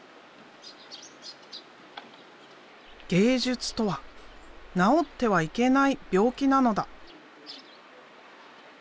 「芸術とは治ってはいけない病気なのだ」。